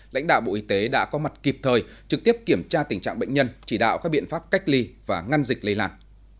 lãnh đạo bộ y tế đã có mặt kịp thời trực tiếp kiểm tra tình trạng bệnh nhân chỉ đạo các biện pháp cách ly và ngăn dịch lây lan